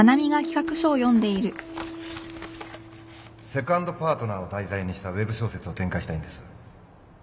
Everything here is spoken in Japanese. セカンドパートナーを題材にしたウェブ小説を展開したいんです